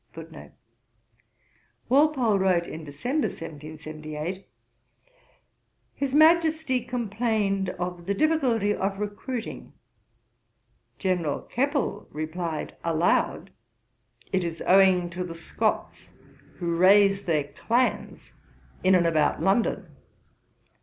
Walpole wrote in Dec. 1778: 'His Majesty complained of the difficulty of recruiting. General Keppel replied aloud, "It is owing to the Scots, who raise their clans in and about London."